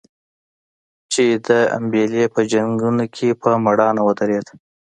چې د امبېلې په جنګونو کې په مړانه ودرېد.